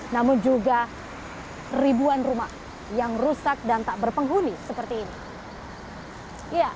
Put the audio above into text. namun juga ribuan rumah yang rusak dan tak berpenghuni seperti ini